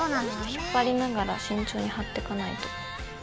引っ張りながら慎重に貼ってかないと。